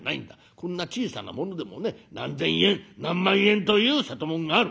こんな小さなものでもね何千円何万円という瀬戸物がある」。